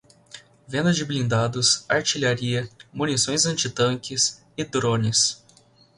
Venda de blindados, artilharia, munições antitanques e drones